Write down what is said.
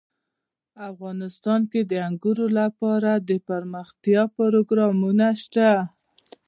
افغانستان کې د انګور لپاره دپرمختیا پروګرامونه شته.